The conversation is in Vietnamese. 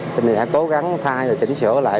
thì mình sẽ cố gắng thay rồi chỉnh sửa lại